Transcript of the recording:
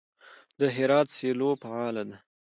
د هرات سیلو فعاله ده.